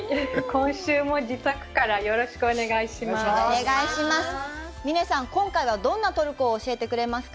今週も自宅からよろしくお願いします。